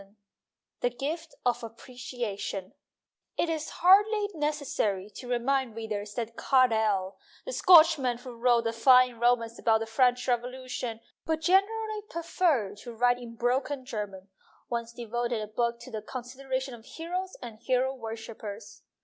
XXVI THE GIFT OF APPRECIATION IT is hardly necessary to remind readers that Carlyle, the Scotchman who wrote a fine romance about the French Revolution but generally preferred to write in broken German, once devoted a book to the con sideration of Heroes and Hero Worshippers.